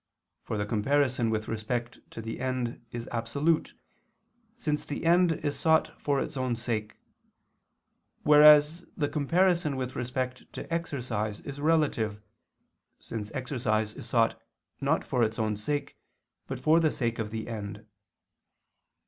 For the comparison with respect to the end is absolute, since the end is sought for its own sake; whereas the comparison with respect to exercise is relative, since exercise is sought not for its own sake, but for the sake of the end.